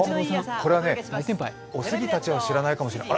これはね、おすぎたちは知らないかもしれない。